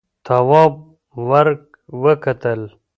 تواب ور وکتل.